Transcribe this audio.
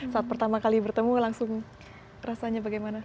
saat pertama kali bertemu langsung rasanya bagaimana